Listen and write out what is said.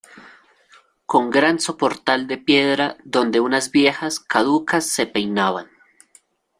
con gran soportal de piedra, donde unas viejas caducas se peinaban.